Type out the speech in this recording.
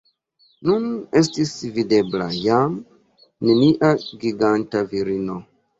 Nun estis videbla jam nenia giganta virino.